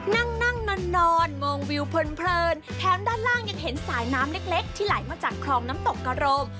นั่งนั่งนอนมองวิวเพลินแถมด้านล่างยังเห็นสายน้ำเล็กที่ไหลมาจากคลองน้ำตกกระโรม